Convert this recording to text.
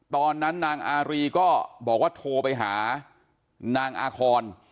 ตอนนั้นนางอารีก็บอกว่าโทรไปหานางอาคอน